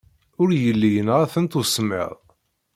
Ur yelli yenɣa-tent usemmiḍ.